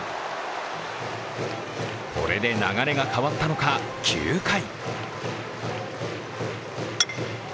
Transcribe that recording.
これで流れが変わったのか、９回。